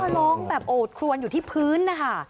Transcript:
ร้องแบบโอดครวนอยู่ที่พื้นนะคะ